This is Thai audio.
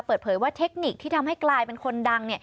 เปิดเผยว่าเทคนิคที่ทำให้กลายเป็นคนดัง